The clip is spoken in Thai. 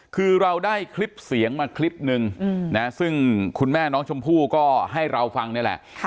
คือเราได้คลิปเสียงมาคลิปนึงนะซึ่งคุณแม่น้องชมพู่ก็ให้เราฟังนี่แหละ